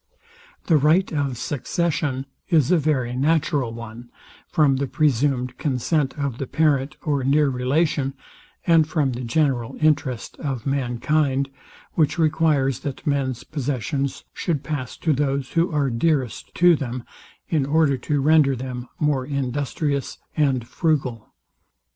The right of succession is a very natural one, from the presumed consent of the parent or near relation, and from the general interest of mankind, which requires, that men's possessions should pass to those, who are dearest to them, in order to render them more industrious and frugal.